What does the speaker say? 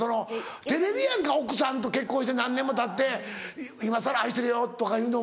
照れるやんか奥さんと結婚して何年もたって今さら「愛してるよ」とか言うのも。